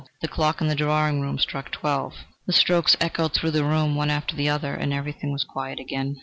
The clock in the drawing room struck twelve; the strokes echoed through the room one after the other, and everything was quiet again.